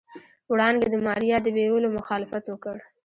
وړانګې د ماريا د بيولو مخالفت وکړ.